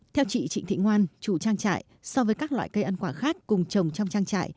theo chị trịnh thị ngoan chủ trang trại so với các loại cây ăn quả khác cùng trồng trong trang trại